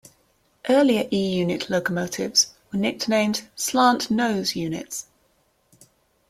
Earlier E-unit locomotives were nicknamed "slant nose" units.